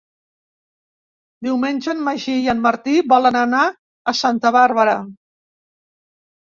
Diumenge en Magí i en Martí volen anar a Santa Bàrbara.